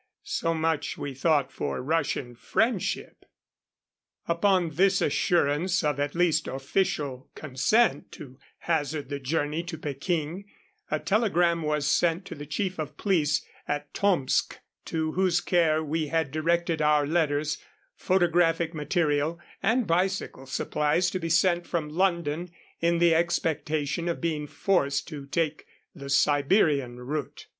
So much, we thought, for Russian friendship. Upon this assurance of at least official consent to hazard the journey to Peking, a telegram was sent to the chief of police at Tomsk, to whose care we had directed our letters, photographic material, and bicycle supplies to be sent from London in the expectation of being forced to take the Siberian route.